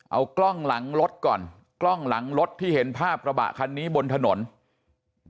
เอากล้องหลังรถก่อนกล้องหลังรถที่เห็นภาพกระบะคันนี้บนถนน